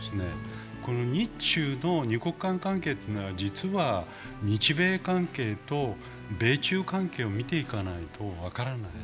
日中の二国間関係というのは、実は日米関係と米中関係を見ていかないと分からない。